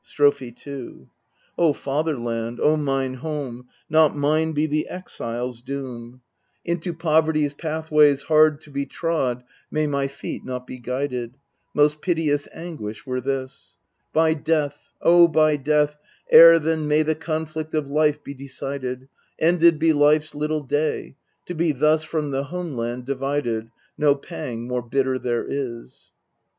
Strophe 2 O fatherland, O mine home, Not mine be the exile's doom ! 1 oTryo (Verrall), vice manuscript arrtpyoi, " befriend." 264 KL'RIl'IDKS Into poverty's pathways hard to be trod may my feet not be guided ! Most piteous anguish were this. By death oh, by death ere then may the conflict of life be decided, Ended be life's little day ! To be thus from the home land divided No pang more bitter there is.